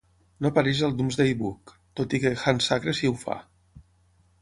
No apareix al "Domesday Book", tot i que Handsacre sí ho fa.